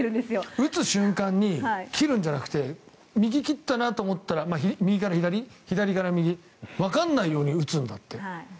打つ瞬間に切るんじゃなくて右を切ったなと思ったら右から左、左から右わからないように打つんだって。